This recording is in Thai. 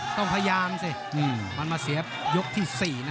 ต้องพยายามสิมันมาเสียยกที่๔นะ